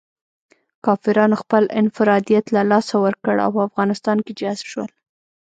کافرانو خپل انفرادیت له لاسه ورکړ او په افغانستان کې جذب شول.